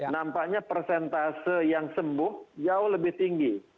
nampaknya persentase yang sembuh jauh lebih tinggi